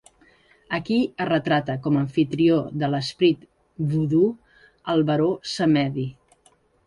Aquí, es retrata com a amfitrió de l'esperit vudú, el baró Samedi.